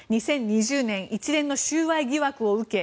２０２０年一連の収賄疑惑を受け